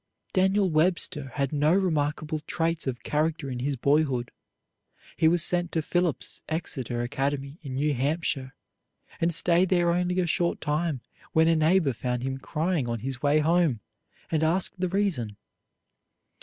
Daniel Webster had no remarkable traits of character in his boyhood. He was sent to Phillips Exeter Academy in New Hampshire, and stayed there only a short time when a neighbor found him crying on his way home, and asked the reason.